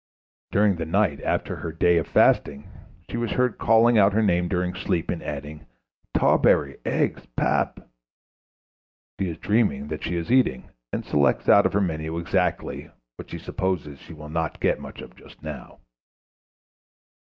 During the night, after her day of fasting, she was heard calling out her name during sleep, and adding: "Tawberry, eggs, pap." She is dreaming that she is eating, and selects out of her menu exactly what she supposes she will not get much of just now.